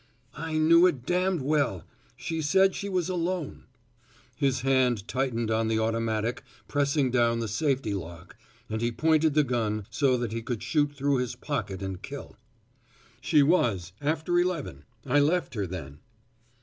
"I knew it damned well. She said she was alone." His hand tightened on the automatic, pressing down the safety lock, and he pointed the gun, so that he could shoot through his pocket and kill. "She was, after eleven. I left her then."